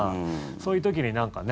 そういう時に、なんかね